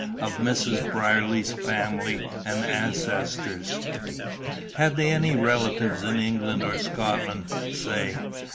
of Mrs. Brierly's family and ancestors? Had they any relatives in England or Scotland, say?